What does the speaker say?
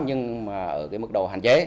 nhưng mà ở cái mức độ hạn chế